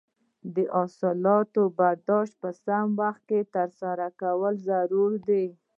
د حاصلاتو برداشت په سم وخت ترسره کول ضروري دي.